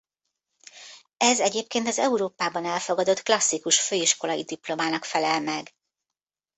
Ez egyébként az Európában elfogadott klasszikus főiskolai diplomának felel meg.